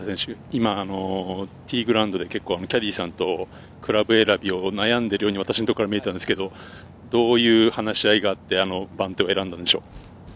ティーグラウンドでキャディーさんとクラブ選びを悩んでいるように見えたのですが、どういう話し合いがあって、番手を選んだのでしょう？